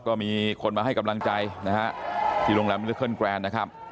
ก็มีคนมาให้กำลังใจนะฮะที่โรงแรมมิลิเคิลแกรนนะครับ